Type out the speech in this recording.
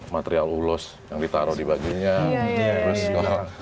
materi rulus yang ditaruh di bagian yang